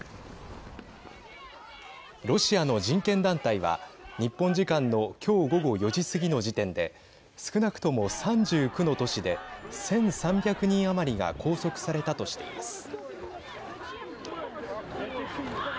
ロシアの人権団体は日本時間の今日午後４時過ぎの時点で少なくとも３９の都市で１３００人余りが拘束されたとしています。